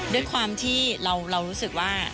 ด้วยความที่เรารู้สึกว่า